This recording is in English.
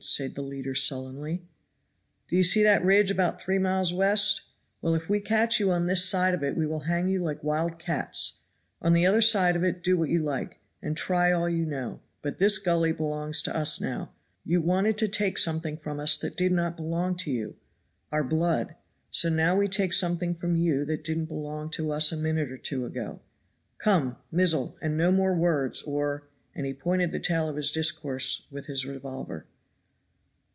said the leader sullenly. "Do you see that ridge about three miles west? well, if we catch you on this side of it we will hang you like wild cats. On the other side of it do what you like, and try all you know; but this gully belongs to us now; you wanted to take something from us that did not belong to you our blood so now we take something from you that didn't belong to us a minute or two ago. Come, mizzle, and no more words, or " and he pointed the tail of his discourse with his revolver.